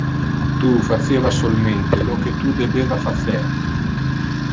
Tu faceva solmente lo que tu debeva facer.